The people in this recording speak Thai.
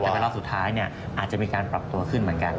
แต่ว่ารอบสุดท้ายอาจจะมีการปรับตัวขึ้นเหมือนกัน